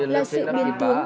là sự biên tục